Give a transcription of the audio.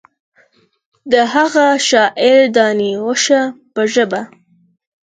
د هغه شاعر دانې وشه په ژبه.